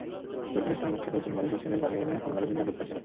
শরিফুল ইসলাম পক্ষের লোকজন বাড়িঘর ছেড়ে পালিয়ে গেলে হামলাকারীরা লুটপাট চালায়।